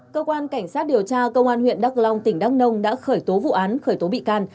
cơ quan cảnh sát điều tra công an huyện đắk long tỉnh đắk nông đã khởi tố vụ án khởi tố bị can